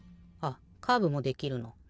あっカーブもできるの。